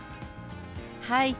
はい。